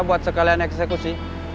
buat sekalian eksekusi